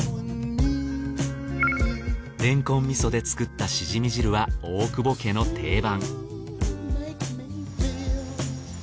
れんこん味噌で作ったシジミ汁は大久保家の定番